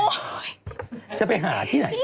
โอ้ยจะไปหาที่ไหน